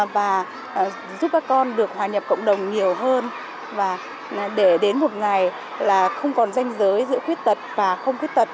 và giúp các con được hòa nhập cộng đồng nhiều hơn và để đến một ngày là không còn danh giới giữa khuyết tật và không khuyết tật